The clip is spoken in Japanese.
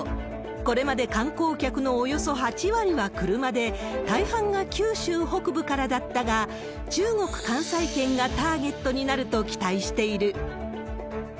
これまで観光客のおよそ８割は車で、大半が九州北部からだったが、中国・関西圏がターゲットになると期待している。